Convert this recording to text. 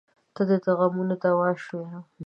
• ته د غمونو دوا شوې.